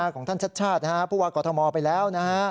ของท่านชาติชาติผู้ว่ากอทมไปแล้ว